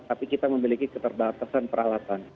tapi kita memiliki keterbatasan peralatan